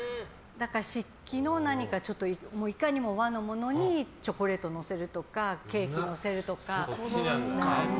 だから漆器の何かいかにも和のものにチョコレートをのせるとかケーキをのせるとか。